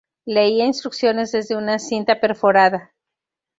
Leía instrucciones desde una cinta perforada.